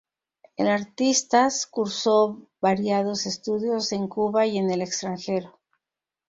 El artistas cursó variados estudios en Cuba y en el extranjero.